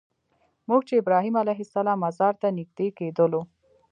موږ چې ابراهیم علیه السلام مزار ته نږدې کېدلو.